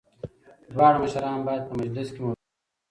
دواړه مشران باید په مجلس کي موجود وي.